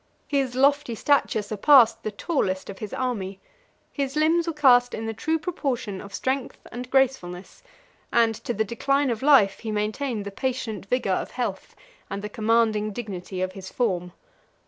His lofty stature surpassed the tallest of his army: his limbs were cast in the true proportion of strength and gracefulness; and to the decline of life, he maintained the patient vigor of health and the commanding dignity of his form.